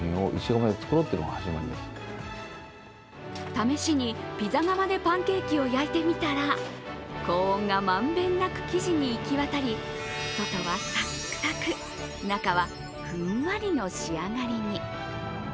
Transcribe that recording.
試しにピザ窯でパンケーキを焼いてみたら高温が満遍なく生地に行き渡り外はサックサク中はふんわりの仕上がりに。